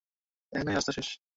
এখানেই রাস্তা শেষ।